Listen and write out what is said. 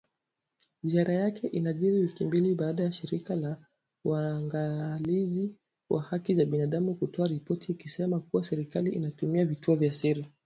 Ziara yake inajiri wiki mbili baada ya shirika la " Waangalizi wa Haki za Binadamu' kutoa ripoti ikisema kuwa serikali inatumia vituo vya siri.